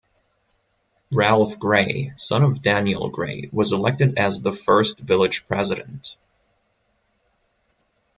Ralph Gray, son of Daniel Gray, was elected as the first Village President.